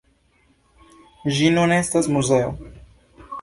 Ĝi nun estas muzeo.